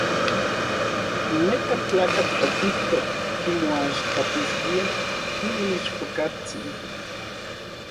Neka tlakatl okijto kimoaxkatiskia inin ichpokatsin.